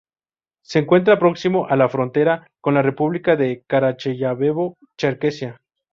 Se encuentra próximo a la frontera con la república de Karacháyevo-Cherkesia.